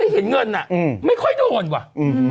เห็นเงินอ่ะอืมไม่ค่อยโดนว่ะอืม